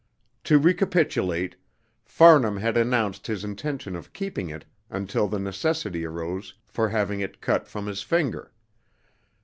To recapitulate, Farnham had announced his intention of keeping it until the necessity arose for having it cut from his finger.